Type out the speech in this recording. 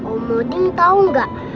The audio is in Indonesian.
om odin tau gak